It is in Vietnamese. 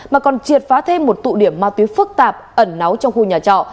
mà còn triệt phá thêm một tụ điểm ma túy phức tạp ẩn náu trong khu nhà trọ